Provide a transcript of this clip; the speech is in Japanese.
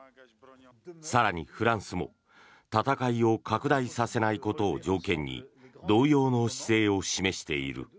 更に、フランスも戦いを拡大させないことを条件に同様の姿勢を示している。